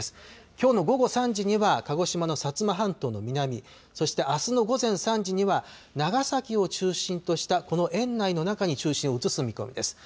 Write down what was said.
きょうの午後３時には鹿児島の薩摩半島の南、そしてあすの午前３時には、長崎を中心としたこの円内の中に中心を移す見込みです。